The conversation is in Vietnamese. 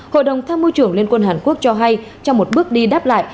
hội đồng tham mưu trưởng liên quân hàn quốc cho hay trong một bước đi đáp lại